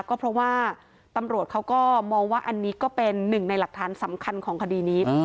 ก็เพราะว่าตำรวจเขาก็มองว่าอันนี้ก็เป็นหนึ่งในหลักฐานสำคัญของคดีนี้